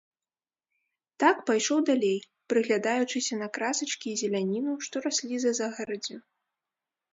Так пайшоў далей, прыглядаючыся на красачкі і зеляніну, што раслі за загараддзю.